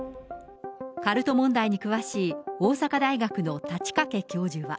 カルト問題に詳しい大阪大学の太刀掛教授は。